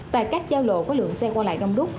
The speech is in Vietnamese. và các giao lộ có lượng xe qua lại đông đúc